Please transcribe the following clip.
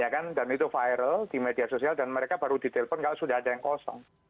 ya kan dan itu viral di media sosial dan mereka baru ditelepon kalau sudah ada yang kosong